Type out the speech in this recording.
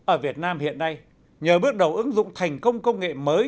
ở việt nam hiện nay nhờ bước đầu ứng dụng thành công công nghệ mới